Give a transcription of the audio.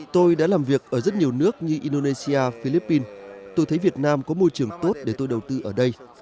tôi đã làm việc ở rất nhiều nước như indonesia philippines tôi thấy việt nam có môi trường tốt để tôi đầu tư ở đây